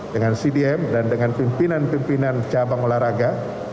dengan cdm dan dengan pimpinan pimpinan cabang olahraga